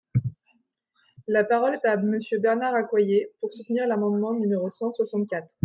La parole est à Monsieur Bernard Accoyer, pour soutenir l’amendement numéro cent soixante-quatre.